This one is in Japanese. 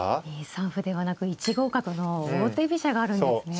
２三歩ではなく１五角の王手飛車があるんですね。